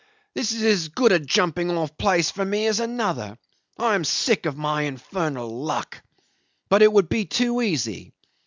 'This is as good a jumping off place for me as another. I am sick of my infernal luck. But it would be too easy.